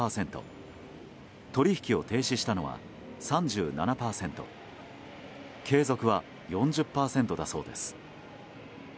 取引を停止したのは３７％継続は４０％だそうです。